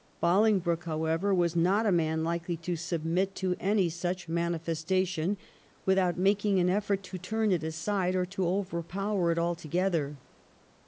Bolingbroke, however, was not a man likely to submit to any such mani festation without making an effort to turn it aside or to overpower it altogether.